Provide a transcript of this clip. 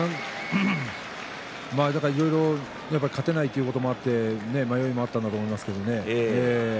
いろいろ勝てないということもあって迷いもあったんだと思うけれども。